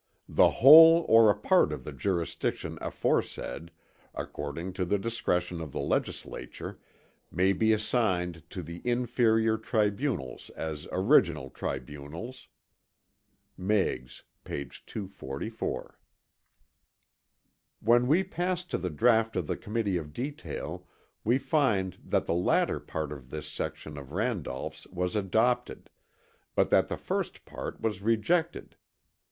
The whole or a part of the jurisdiction aforesaid, according to the discretion of the legislature, may be assigned to the inferior tribunals as original tribunals." Meigs, p. 244. When we pass to the draught of the Committee of Detail we find that the latter part of this section of Randolph's was adopted, but that the first part was rejected.